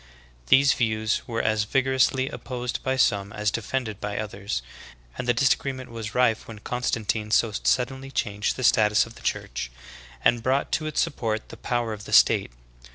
These views were as vigorously opposed by some as defended by others, and the disagreement was rife when Con stantine so suddenly changed the status of the Church, and brought to its support the power of the state.